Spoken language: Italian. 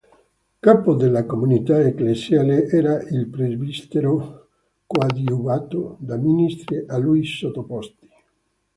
Capo della comunità ecclesiale era il presbitero coadiuvato da ministri a lui sottoposti.